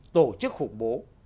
tổ chức khủng bố